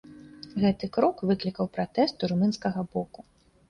Гэты крок выклікаў пратэст у румынскага боку.